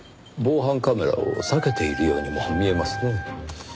防犯カメラを避けているようにも見えますね。